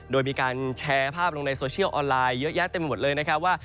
โดยมีการแชร์ภาพลงในโซเชียลออนไลน์เยอะแยะเต็มหมดเลยนะครับว่า